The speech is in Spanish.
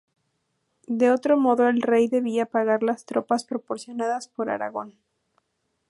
De otro modo el rey debía pagar las tropas proporcionadas por Aragón.